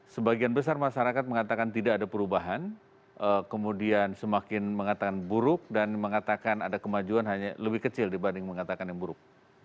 sebagian besar masyarakat mengatakan tidak ada perubahan kemudian semakin mengatakan buruk dan mengatakan ada kemajuan hanya lebih kecil dibanding mengatakan yang buruk